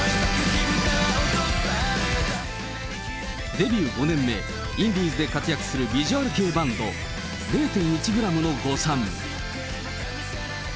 デビュー５年目、インディーズで活躍するビジュアル系バンド、０．１ｇの誤算。